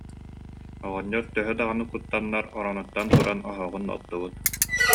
Оҕонньор төһө даҕаны куттаннар, оронуттан туран, оһоҕун оттубут